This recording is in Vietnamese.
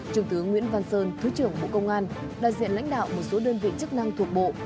trung tướng nguyễn văn sơn thứ trưởng bộ công an đại diện lãnh đạo một số đơn vị chức năng thuộc bộ